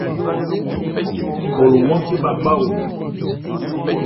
Khɔ lo hwánthe bha bhá o.